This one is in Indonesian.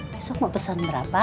besok mau pesan berapa